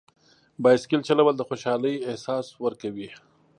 بایسکل چلول د خوشحالۍ احساس ورکوي.